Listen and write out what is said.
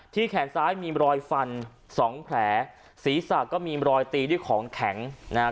แขนซ้ายมีรอยฟันสองแผลศีรษะก็มีรอยตีด้วยของแข็งนะฮะ